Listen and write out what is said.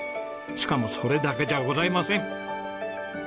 しかもそれだけじゃございません。